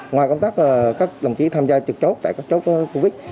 ngoài công tác các đồng chí tham gia trực chốt tại các chốt covid